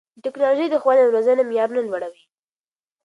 ټیکنالوژي د ښوونې او روزنې معیارونه لوړوي.